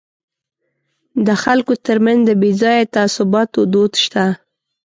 د خلکو ترمنځ د بې ځایه تعصباتو دود شته.